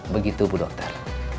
begitu bu dokter